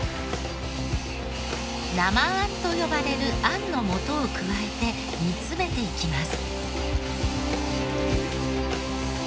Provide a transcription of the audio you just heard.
生あんと呼ばれるあんの素を加えて煮詰めていきます。